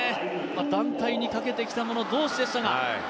団体にかけてきた者同士でしたが。